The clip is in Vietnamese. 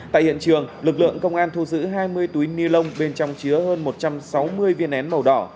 tại hiện trường lực lượng công an thu giữ hai mươi túi ni lông bên trong chứa hơn một trăm sáu mươi viên nén màu đỏ